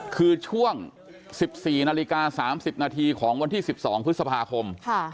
คือช่วง๑๔นาฬิกา๓๐นาทีของวันที่๑๒พฤษภาคม